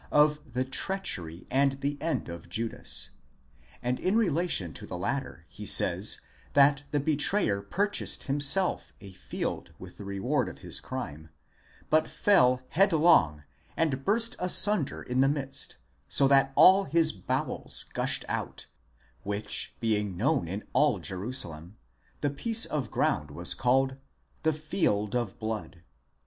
of the treachery and the end of Judas; and in relation to the latter he says, that the betrayer purchased himself a field with the reward of his crime, but fell headlong, and burst asunder in the midst, so that all his bowels gushed out, which being known in all Jerusalem, the piece of ground was called ἀκελδαμὰ, i.e. the field of blood.